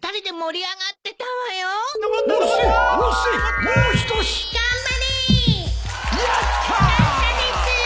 やったです